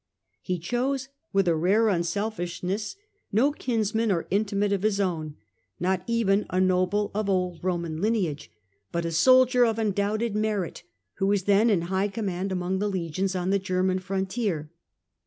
He chose with a rare unselfishness no kinsman or intimate of his own, not even a noble of old Roman Nerva. 7 96 > 98 . lineage, but a soldier of undoubted merit, who was then in high command among the legions on the German frontier.